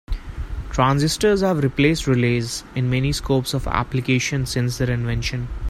Transistors have replaced relays in many scopes of application since their invention.